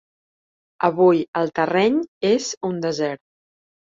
Avui el terreny és un desert.